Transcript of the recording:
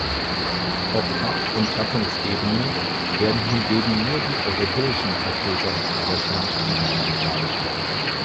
Auf Art- und Gattungsebene werden hingegen nur die europäischen Vertreter der Schlanklibellen dargestellt.